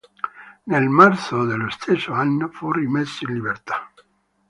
Nel marzo dello stesso anno fu rimesso in libertà.